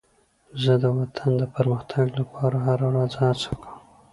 زه د وطن د پرمختګ لپاره هره ورځ هڅه کوم.